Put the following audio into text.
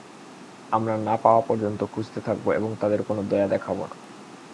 আমরা না পাওয়া পর্যন্ত খুঁজতে থাকবো এবং তাদের কোন দয়া দেখাবো না।